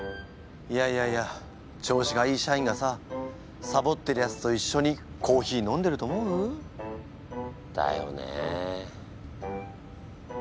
いやいやいや調子がいい社員がさサボってるやつと一緒にコーヒー飲んでると思う？だよね。